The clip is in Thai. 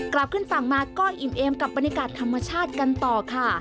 กลับขึ้นฝั่งมาก็อิ่มเอมกับบรรยากาศธรรมชาติกันต่อค่ะ